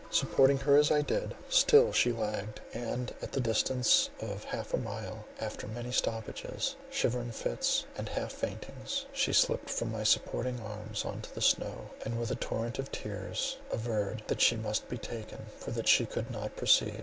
Supporting her as I did, still she lagged: and at the distance of half a mile, after many stoppages, shivering fits, and half faintings, she slipt from my supporting arm on the snow, and with a torrent of tears averred that she must be taken, for that she could not proceed.